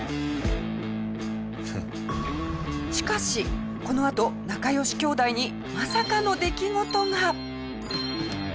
しかしこのあと仲良し兄弟にまさかの出来事が！